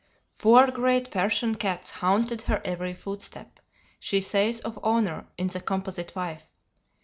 "Four great Persian cats haunted her every footstep," she says of Honor, in the "Composite Wife."